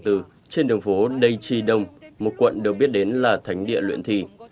trên đường phố dei chi đông một quận đều biết đến là thánh địa luyện thi